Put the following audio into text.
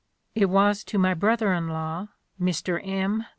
It was to my brother in law, Mr. M.